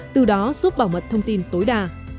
từ đó giúp bảo mật thông tin tối đa